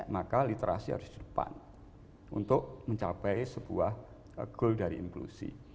maka literasi harus di depan untuk mencapai sebuah goal dari inklusi